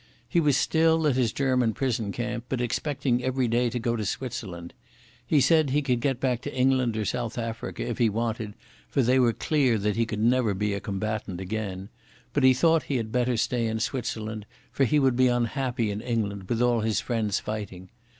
He was still at his German prison camp, but expecting every day to go to Switzerland. He said he could get back to England or South Africa, if he wanted, for they were clear that he could never be a combatant again; but he thought he had better stay in Switzerland, for he would be unhappy in England with all his friends fighting.